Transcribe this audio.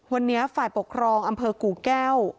วันนี้ฝ่ายปกครองอำเภอกู่แก้ว